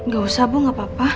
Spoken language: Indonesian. gak usah bu gak apa apa